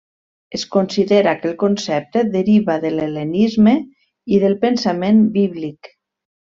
Es considera que el concepte deriva de l'hel·lenisme i del pensament bíblic.